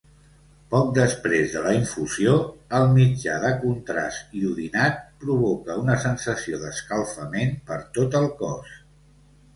Poc després de la infusió, el mitjà de contrast iodinat provoca una sensació d'escalfament per tot el cos.